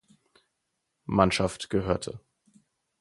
Mannschaft gehörte.